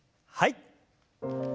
はい。